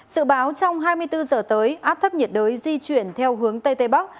sự báo trong hai mươi bốn giờ tới áp thấp nhiệt đới di chuyển theo hướng tây tây bắc